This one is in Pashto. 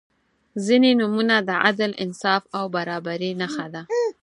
• ځینې نومونه د عدل، انصاف او برابري نښه ده.